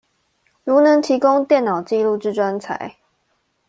如能提供電腦紀錄之專才